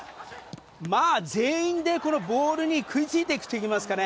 まあ、全員でボールに食いついていくといいますかね。